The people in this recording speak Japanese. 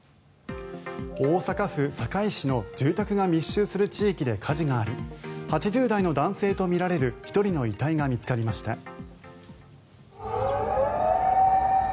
大阪府堺市の住宅が密集する地域で火事があり８０代の男性とみられる１人の遺体が見つかりました。